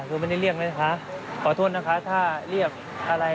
คือไม่ได้เรียกเลยนะคะขอโทษนะคะถ้าเรียกอะไร